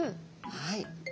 はい。